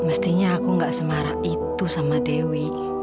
mestinya aku nggak semara itu sama dewi